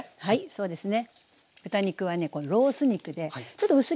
そうですね